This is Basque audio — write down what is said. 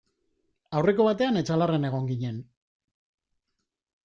Aurreko batean Etxalarren egon ginen.